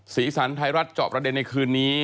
สีสันไทยรัฐจอบประเด็นในคืนนี้